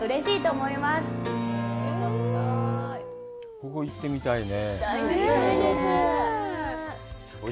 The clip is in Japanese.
ここ行ってみたいね。